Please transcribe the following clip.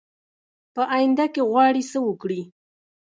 په آینده کې غواړي څه وکړي ؟